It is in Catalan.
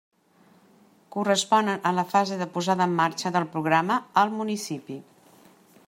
Corresponen a la fase de posada en marxa del programa al municipi.